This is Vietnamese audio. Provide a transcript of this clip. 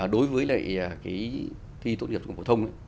đối với lại cái thi tốt nghiệp của phổ thông